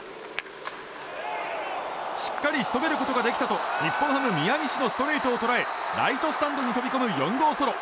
しっかりしとめることができたと日本ハム宮西のストレートを捉えライトスタンドに飛び込む４号ソロ。